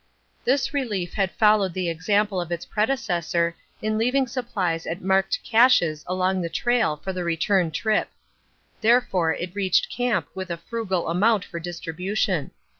This Relief had followed the example of its predecessor in leaving supplies at marked caches along the trail for the return trip. Therefore, it reached camp with a frugal amount for distribution.